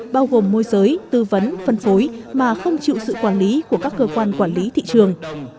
bao gồm môi giới tư vấn phân phối mà không chịu sự quản lý của các cơ quan quản lý thị trường